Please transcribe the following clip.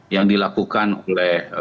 yang dilakukan oleh